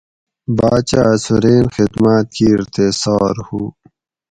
باچاۤ اسوں رین خدماۤت کیر تے سار ہُو